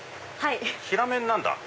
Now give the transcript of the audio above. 平麺なんだ。